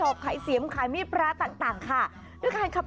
มอลำคลายเสียงมาแล้วมอลำคลายเสียงมาแล้ว